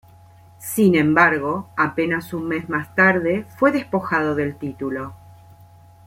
Sin embargo, apenas un mes más tarde fue despojado del título.